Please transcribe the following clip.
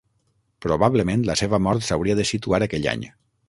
Probablement la seva mort s'hauria de situar aquell any.